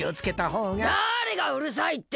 ・だれがうるさいって？